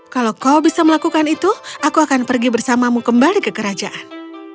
kalau kau bisa melakukan itu aku akan pergi bersamamu kembali ke kerajaan